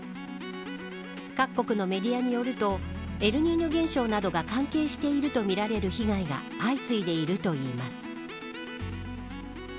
各国のメディアによるとエルニーニョ現象などが関係しているとみられる被害が相次いでいるといいます。